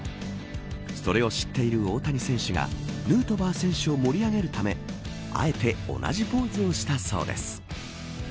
それを知っている大谷選手がヌートバー選手を盛り上げるためあえて同じポーズをしたそうです。